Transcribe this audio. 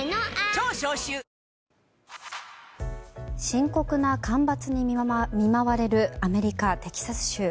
深刻な干ばつに見舞われるアメリカ・テキサス州。